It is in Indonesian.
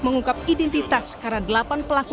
mengungkap identitas karena delapan pelaku